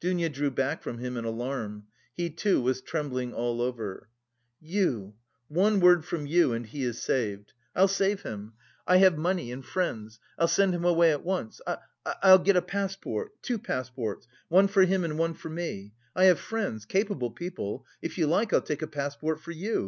Dounia drew back from him in alarm. He too was trembling all over. "You... one word from you, and he is saved. I... I'll save him. I have money and friends. I'll send him away at once. I'll get a passport, two passports, one for him and one for me. I have friends... capable people.... If you like, I'll take a passport for you...